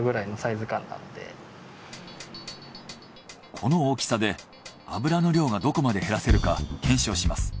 この大きさで油の量がどこまで減らせるか検証します。